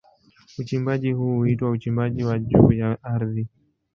Uchimbaji huu huitwa uchimbaji wa juu ya ardhi.